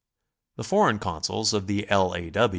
The foreign Consuls of the L. A.